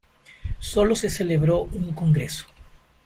Solo se celebró un congreso.